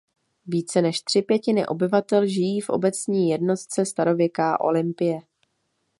Více než tři pětiny obyvatel žijí v obecní jednotce Starověká Olympie.